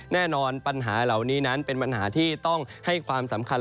แน่นอนปัญหาเหล่านี้นั้นเป็นปัญหาที่ต้องให้ความสำคัญ